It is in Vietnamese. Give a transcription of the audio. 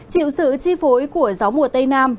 chịu sự chi phối của gió mùa tây nam